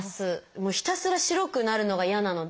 もうひたすら白くなるのが嫌なので。